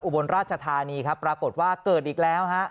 อุบลราชทานีปรากฎว่าเกิดอีกแล้ว